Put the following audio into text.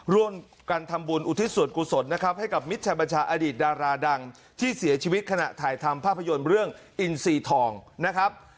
ร่วมกันทำบุญอุทิศส่วนกุศลนะครับให้กับมิตรชัยบัญชาอดีตดาราดังที่เสียชีวิตขณะถ่ายทำภาพยนตร์เรื่องอินซีทองนะครับ